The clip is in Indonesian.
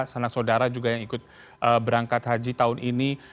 sanak saudara juga yang ikut berangkat haji tahun ini